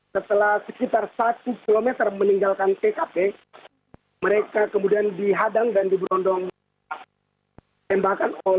setelah sekitar satu km meninggalkan tkp mereka kemudian dihadang dan diberondong tembakan